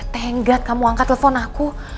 thank god kamu angkat telpon aku